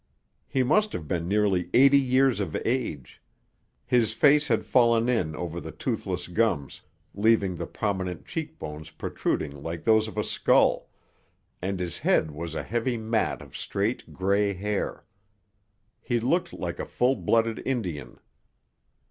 He must have been nearly eighty years of age. His face had fallen in over the toothless gums, leaving the prominent cheek bones protruding like those of a skull, and his head was a heavy mat of straight grey hair. He looked like a full blooded Indian.